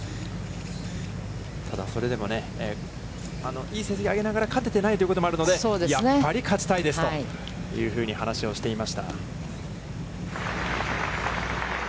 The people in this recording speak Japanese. ただ、それでもね、いい成績を挙げながら勝てていないというところがあるので、やっぱり勝ちたいですというふうに話をしていました。